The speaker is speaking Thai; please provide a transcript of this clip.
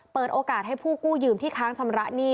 เปิดโอกาสให้ผู้กู้ยืมที่ค้างชำระหนี้